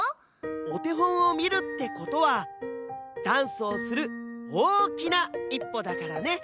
おてほんをみるってことはダンスをするおおきないっぽだからね！